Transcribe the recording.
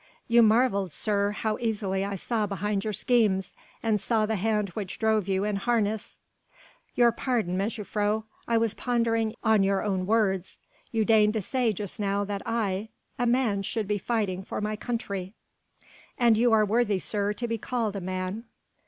"You marvelled, sir, how easily I saw behind your schemes, and saw the hand which drove you in harness?" "Your pardon, mejuffrouw. I was pondering on your own words. You deigned to say just now that I a man should be fighting for my country." "And you are worthy, sir, to be called a man."